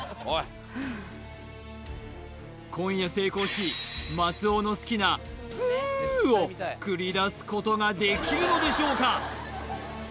今夜成功し松尾の好きな「フゥ！」を繰り出すことができるのでしょうか？